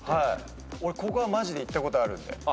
俺ここはマジで行ったことあるんで。